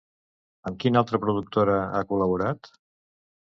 Amb quina altra productora ha col·laborat?